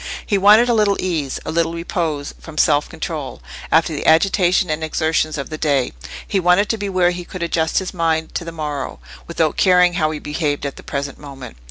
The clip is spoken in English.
He wanted a little ease, a little repose from self control, after the agitation and exertions of the day; he wanted to be where he could adjust his mind to the morrow, without caring how he behaved at the present moment.